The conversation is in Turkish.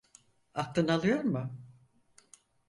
Aklın alıyor mu?